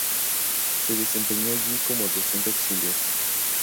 Se desempeñó allí como docente auxiliar.